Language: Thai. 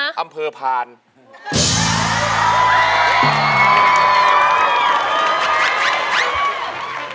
อันนี้ก็เป็นทหารพราน